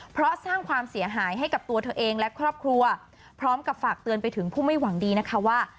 เพราะสร้างความเสียหายให้กับตัวเธอเองและครอบครัวพร้อมกับฝากเตือนไปถึงผู้ไม่หวังดีนะคะว่า